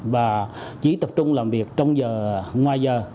và chỉ tập trung làm việc trong giờ ngoài giờ